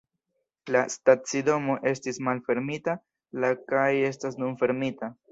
La stacidomo estis malfermita la kaj estas nun fermita.